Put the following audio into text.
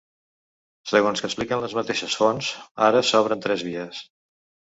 Segons que expliquen les mateixes fonts, ara s’obren tres vies.